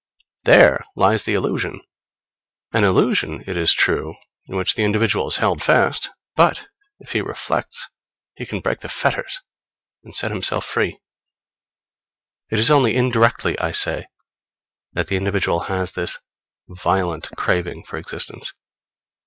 There lies the illusion an illusion, it is true, in which the individual is held fast: but, if he reflects, he can break the fetters and set himself free. It is only indirectly, I say, that the individual has this violent craving for existence.